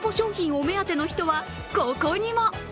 お目当ての人はここにも。